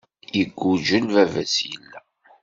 Iggujel, baba-s illa.